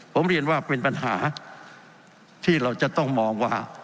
ผมเรียนว่าเป็นปัญหาที่เราจะต้องมองว่า